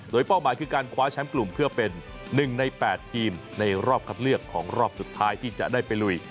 โดยเป้าหมายคือการคว้าแชมป์กลุ่มเพื่อเป็น๑ใน๘ทีมในรอบคัดเลือกของรอบสุดท้ายที่จะได้ไปลุย